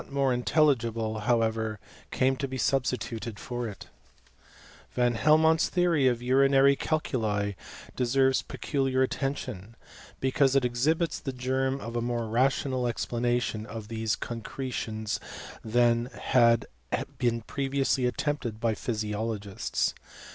191 aore intelligible^ however^ came to be substituted fcrit Van Helmont's theory of urinary calculi deserved peculiar attention, because it exhibits the germ of a iDore rational explanation of these concretions than hd been previously attempted by physiologists.